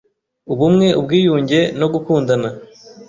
ubumwe, ubwiyunge no gukundana,